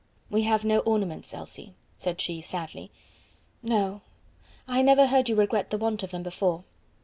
"We have no ornaments, Elsie," said she, sadly. "No; I never heard you regret the want of them before."